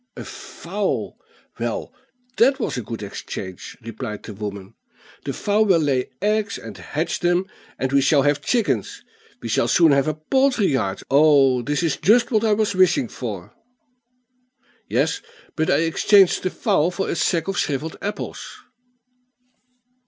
"A fowl! Well, that was a good exchange," replied the woman. "The fowl will lay eggs and hatch them, and we shall have chickens; we shall soon have a poultry yard. Oh, this is just what I was wishing for." "Yes, but I exchanged the fowl for a sack of shrivelled apples."